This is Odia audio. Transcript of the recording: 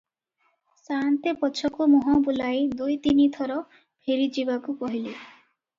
ସାଆନ୍ତେ ପଛକୁ ମୁହଁ ବୁଲାଇ ଦୁଇ ତିନି ଥର ଫେରିଯିବାକୁ କହିଲେ ।